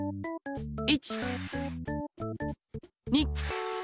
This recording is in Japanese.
１！２！